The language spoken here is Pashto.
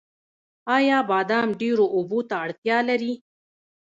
آیا بادام ډیرو اوبو ته اړتیا لري؟